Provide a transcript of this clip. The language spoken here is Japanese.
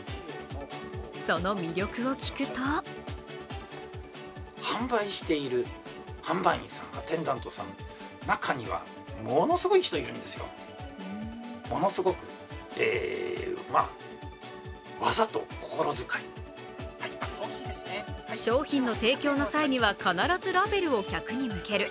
その魅力を聞くと商品の提供の際には必ずラベルを客に向ける。